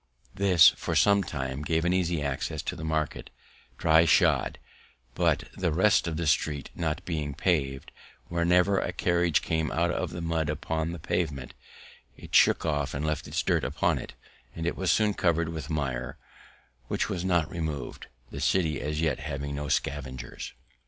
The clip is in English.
This, for some time, gave an easy access to the market dry shod; but, the rest of the street not being pav'd, whenever a carriage came out of the mud upon this pavement, it shook off and left its dirt upon it, and it was soon cover'd with mire, which was not remov'd, the city as yet having no scavengers.